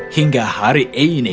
hingga hari ini